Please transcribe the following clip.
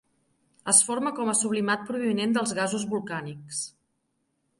Es forma com a sublimat provinent dels gasos volcànics.